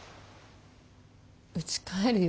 うち帰るよ。